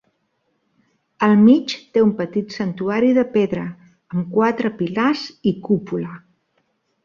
Al mig té un petit santuari de pedra, amb quatre pilars i cúpula.